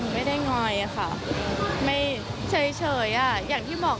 ไม่ได้งอยค่ะไม่เฉยอย่างที่บอก